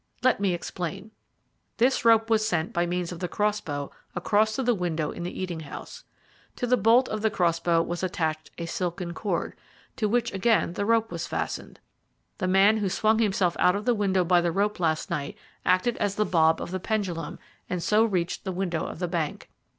Let me explain. This rope was sent by means of the crossbow across to the window in the eating house. To the bolt of the crossbow was attached a silken cord, to which again the rope was fastened. The man who swung himself out of the window by the rope last night acted as the bob of the pendulum, and so reached the window of the bank.